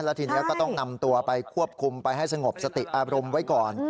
แล้วทีนี้ก็ต้องนำตัวไปควบคุมไปให้สงบสติอารมณ์ไว้ก่อน